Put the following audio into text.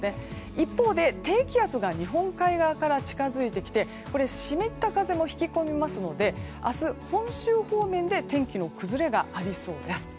一方で、低気圧が日本海側から近づいてきて湿った風も引き込みますので明日、本州方面で天気の崩れがありそうです。